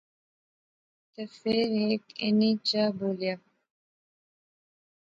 تے فیر ہیک انیں چا بولیا